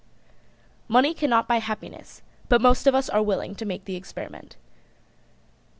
"] Money cannot buy happiness, but most of us are willing to make the experiment.